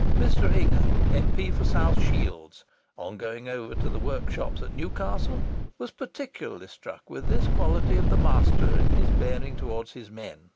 Mr. Ingham, M.P. for South Shields, on going over the workshops at Newcastle, was particularly struck with this quality of the master in his bearing towards his men.